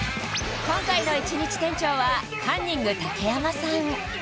今回の１日店長はカンニング竹山さん